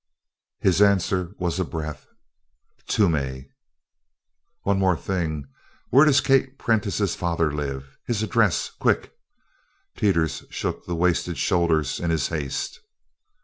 His answer was a breath. "Toomey." "One thing more Where does Kate Prentice's father live? His address quick!" Teeters shook the wasted shoulders in his haste.